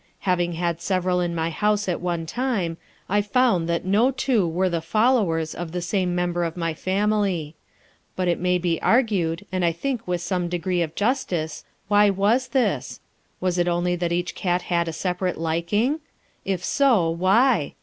Having had several in my house at one time, I found that no two were the "followers" of the same member of my family. But it may be argued, and I think with some degree of justice, Why was this? Was it only that each cat had a separate liking? If so, why?